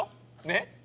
ねっ。